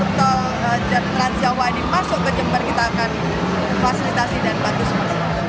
ketika trans jawa dimasuk ke jember kita akan fasilitasi dan bantu semua